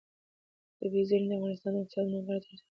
طبیعي زیرمې د افغانستان د اقتصادي منابعو ارزښت زیاتوي.